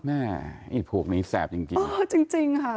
แม่ไอ้พวกนี้แสบจริงเออจริงค่ะ